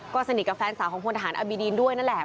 ก็สนิทกับแฟนสาวของพลทหารอบิดีนด้วยนั่นแหละ